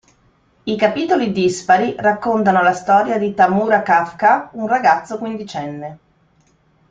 I capitoli dispari raccontano la storia di Tamura Kafka, un ragazzo quindicenne.